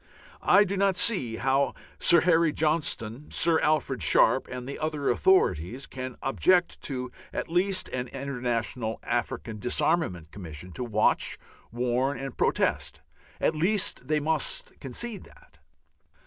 I do not see how Sir Harry Johnston, Sir Alfred Sharpe, and the other authorities can object to at least an international African "Disarmament Commission" to watch, warn, and protest. At least they must concede that.